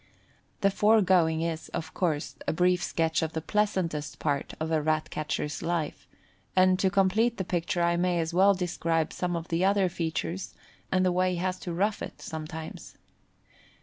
The foregoing is, of course, a brief sketch of the pleasantest part of a Rat catcher's life, and to complete the picture I may as well describe some of the other features, and the way he has to rough it sometimes.